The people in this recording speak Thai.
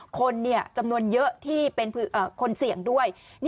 คนจำนวนเยอะที่เป็นคนเสี่ยงด้วย